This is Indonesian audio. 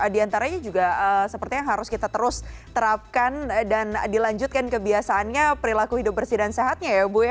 di antaranya juga sepertinya harus kita terus terapkan dan dilanjutkan kebiasaannya perilaku hidup bersih dan sehatnya ya bu ya